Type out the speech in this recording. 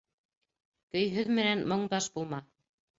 Көйһөҙ менән моңдаш булма.